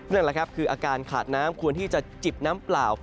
นั่นแหละครับคืออาการขาดน้ำควรที่จะจิบน้ำเปล่า